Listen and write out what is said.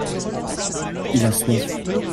il a soif.